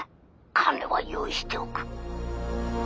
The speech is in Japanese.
金は用意しておく。